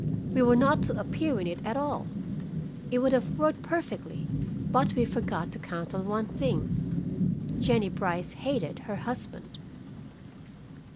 We were not to appear in it at all. It would have worked perfectly, but we forgot to count on one thing Jennie Brice hated her husband."